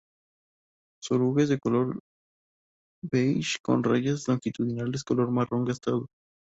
Su oruga es de color beige con rayas longitudinales color marrón gastado.